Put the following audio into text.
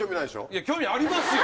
いや興味ありますよ！